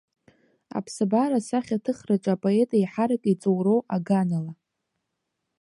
Аԥсабара асахьаҭыхраҿы апоет еиҳарак иҵоуроу аганала.